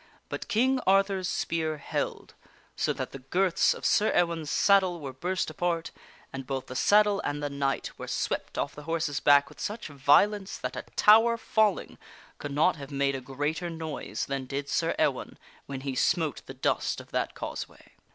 But King Arthur's spear held, so that the girths of Sir Ewaine's saddle were burst apart, and both the saddle and the knight were swept off the horse's back with such violence that a tower falling could not have made a greater noise than did Sir Ewaine when he smote the dust of that causeway.